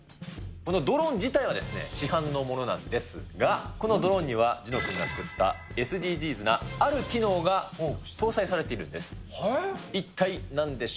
ドローン自体は市販のものなんですが、このドローンには、諄之君が作ったＳＤＧｓなある機能が搭載されているんです。